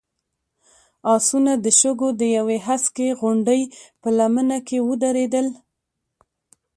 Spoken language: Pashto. آسونه د شګو د يوې هسکې غونډۍ په لمنه کې ودرېدل.